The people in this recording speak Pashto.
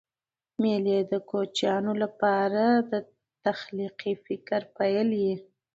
مېلې د کوچنیانو له پاره د تخلیقي فکر پیل يي.